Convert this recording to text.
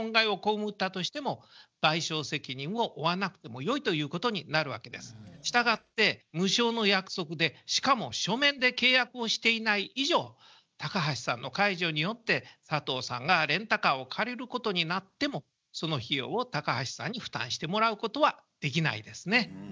そして預かる側の負担を軽くする結果したがって無償の約束でしかも書面で契約をしていない以上高橋さんの解除によって佐藤さんがレンタカーを借りることになってもその費用を高橋さんに負担してもらうことはできないですね。